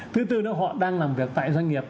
thứ tư họ đang làm việc tại doanh nghiệp